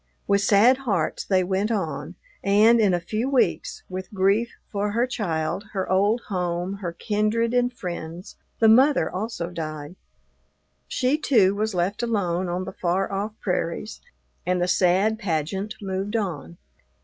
With sad hearts they went on, and, in a few weeks, with grief for her child, her old home, her kindred and friends, the mother also died. She, too, was left alone on the far off prairies, and the sad pageant moved on.